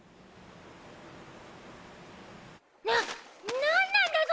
ななんなんだゾ